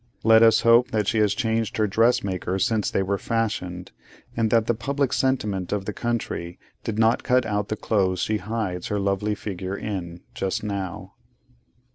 Let us hope that she has changed her dress maker since they were fashioned, and that the public sentiment of the country did not cut out the clothes she hides her lovely figure in, just now.